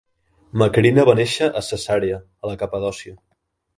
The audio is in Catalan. Macrina va néixer a Cesarea, a la Capadòcia.